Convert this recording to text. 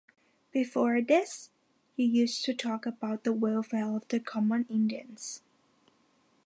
Before this you used to talk about the welfare of the common Indians.